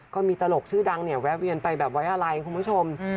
ตลกชื่อดังเนี่ยแวะเวียนไปแบบไว้อะไรคุณผู้ชม